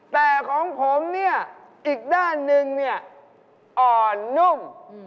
แต่ของผมเนี่ยอีกด้านหนึ่งเนี่ยอ่อนนุ่ม